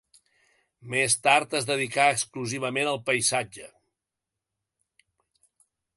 Més tard es dedicà exclusivament al paisatge.